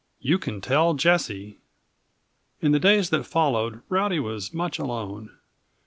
"You Can Tell Jessie." In the days that followed Rowdy was much alone.